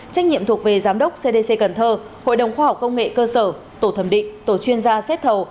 trách nhiệm thuộc về giám đốc cdc cần thơ hội đồng khoa học công nghệ cơ sở tổ thẩm định tổ chuyên gia xét thầu